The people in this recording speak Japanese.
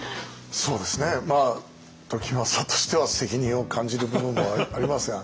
そうですね時政としては責任を感じる部分もありますが。